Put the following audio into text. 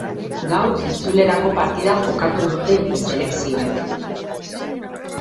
Gaur itzulerako partida jokatu dute bi selekzioek.